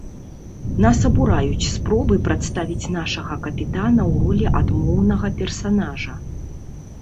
Нас абураюць спробы прадставіць нашага капітана ў ролі адмоўнага персанажа.